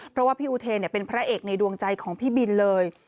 เพราะว่าพี่อุเทนเป็นพระเอกในดวงใจของพี่บินเลย